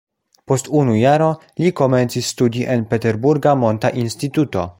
Post unu jaro li komencis studi en peterburga monta instituto.